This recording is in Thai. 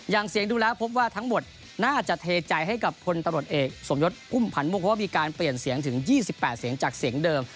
อย่างเสียงดูแล้วพบว่าทั้งหมดน่าจะเทใจให้กับคนตำรวจเอกสมยศพุ่มพันธ์ม่วงเพราะว่ามีการเปลี่ยนเสียงถึง๒๘เสียงจากเสียงเดิม